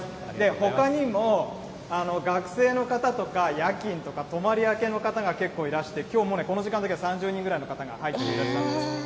ほかにも学生の方とか夜勤とか泊まり明けの方が結構いらして、きょう、もうね、この時間だけで３０人ぐらいの方が入っていっています。